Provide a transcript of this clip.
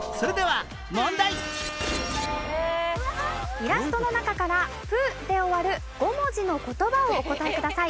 イラストの中から「プ」で終わる５文字の言葉をお答えください。